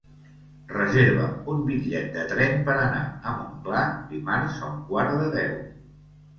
Reserva'm un bitllet de tren per anar a Montclar dimarts a un quart de deu.